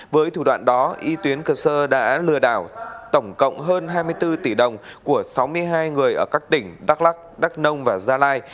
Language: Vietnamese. với thủ đoạn đó y tuyến cơ sơ đã lừa đảo tổng cộng hơn hai mươi bốn tỷ đồng của sáu mươi hai người ở các tỉnh đắk lắc đắk nông và gia lai